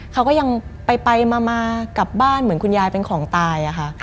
เขาก็ยังไปมากลับบ้านเหมือนคุณยายเป็นของตายอะค่ะ